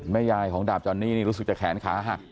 ยายของดาบจอนนี่นี่รู้สึกจะแขนขาหัก